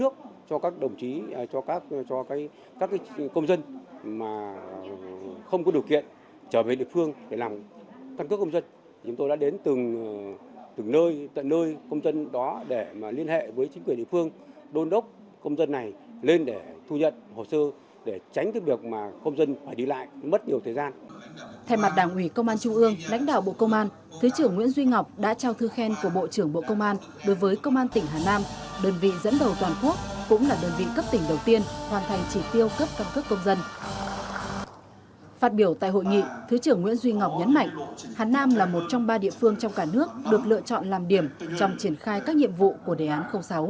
phát biểu tại hội nghị thứ trưởng nguyễn duy ngọc nhấn mạnh hà nam là một trong ba địa phương trong cả nước được lựa chọn làm điểm trong triển khai các nhiệm vụ của đề án sáu